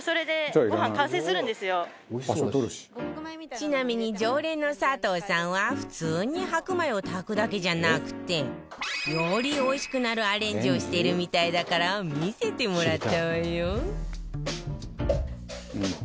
ちなみに常連の佐藤さんは普通に白米を炊くだけじゃなくてよりおいしくなるアレンジをしてるみたいだから見せてもらったわよ